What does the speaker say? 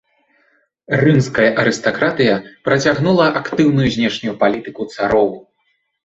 Рымская арыстакратыя працягнула актыўную знешнюю палітыку цароў.